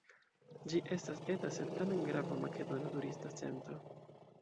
Ĝi estas eta sed tamen grava makedona turista centro.